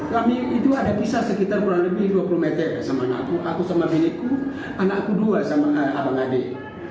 kami itu ada pisah sekitar kurang lebih dua puluh meter sama naku aku sama nenekku anakku dua sama abang adik